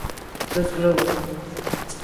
Los globos.